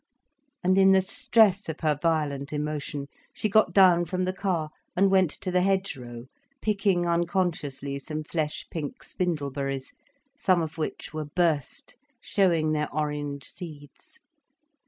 And in the stress of her violent emotion, she got down from the car and went to the hedgerow, picking unconsciously some flesh pink spindleberries, some of which were burst, showing their orange seeds.